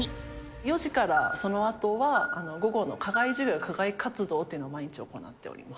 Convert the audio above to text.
４時からそのあとは午後の課外授業、課外活動というのを毎日行っております。